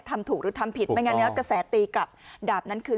ตำรด